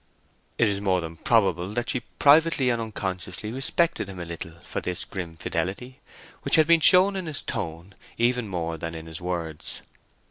It is more than probable that she privately and unconsciously respected him a little for this grim fidelity, which had been shown in his tone even more than in his words.